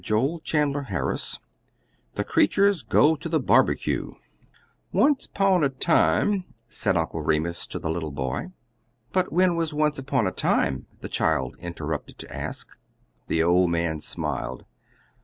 Stokes Company September, 1907 THE CREETURS GO TO THE BARBECUE "Once 'pon a time," said Uncle Remus to the little boy "But when was once upon a time?" the child interrupted to ask. The old man smiled.